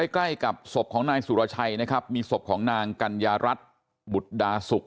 ใกล้กับศพของนายสุรชัยนะครับมีศพของนางกัญญารัฐบุตรดาสุก